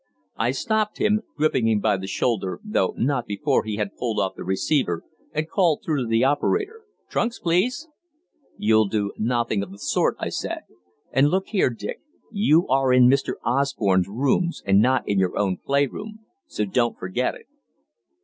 I stopped him, gripping him by the shoulder, though not before he had pulled off the receiver and called through to the operator "Trunks, please!" "You'll do nothing of the sort," I said, "and look here, Dick, you are in Mr. Osborne's rooms, and not in your own play room, so don't forget it."